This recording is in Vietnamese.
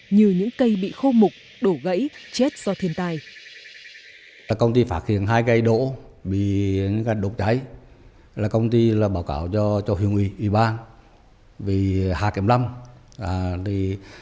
như những cây bị khô mục đổ gãy chết do thiên tai